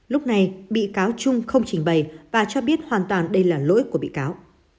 lúc này bị cáo trung không trình bày và cho biết hoàn toàn đây là lỗi của bị cáo